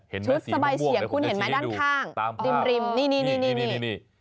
ชุดสบายเฉียงคุณเห็นไหมด้านข้างริมนี่นี่